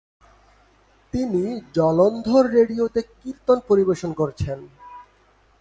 তিনি জলন্ধর রেডিওতে কীর্তন পরিবেশন করেছেন।